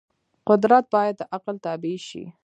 قدرت باید د عقل تابع شي.